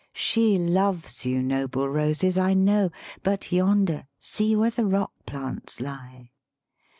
She loves you noble roses, I know; But yonder, see, where the rock plants lie!